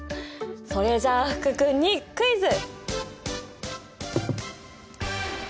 それじゃ福君にクイズ！